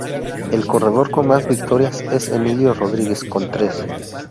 El corredor con más victorias es Emilio Rodríguez, con tres.